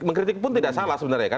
mengkritik pun tidak salah sebenarnya kan